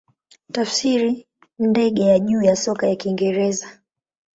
Tafsiri ndege ya juu ya soka ya Kiingereza.